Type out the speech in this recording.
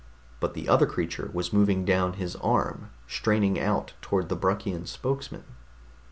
But the other creature was moving down his arm, straining out toward the Bruckian spokesman....